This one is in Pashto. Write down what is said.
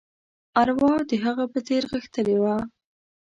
ارواح د هغه په څېر غښتلې وه.